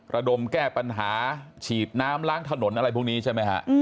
ระดมแก้ปัญหาฉีดน้ำล้างถนนอะไรพวกนี้ใช่ไหมฮะ